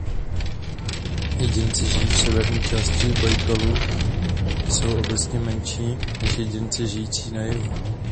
Jedinci žijící v severní části Bajkalu jsou obecně menší než jedinci žijící na jihu.